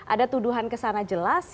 ada tuduhan kesana jelas